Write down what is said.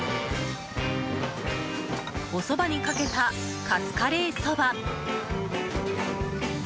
おそばにかけた、かつカレーそば